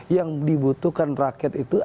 yang dibutuhkan rakyat itu